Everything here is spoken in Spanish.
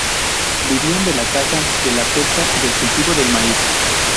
Vivían de la caza, de la pesca y del cultivo del maíz.